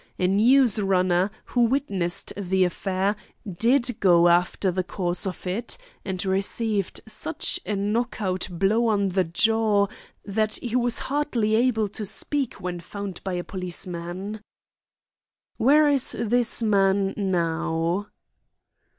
A news runner, who witnessed the affair, did go after the cause of it, and received such a knock out blow on the jaw that he was hardly able to speak when found by a policeman." "Where is this man now?"